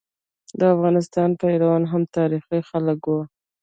د افغانستان پيروان هم تاریخي خلک وو.